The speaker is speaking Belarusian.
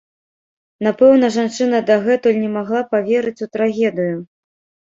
Напэўна, жанчына дагэтуль не магла паверыць у трагедыю.